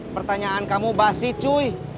pertanyaan kamu basi coy